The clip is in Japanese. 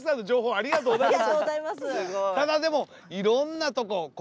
ありがとうございます！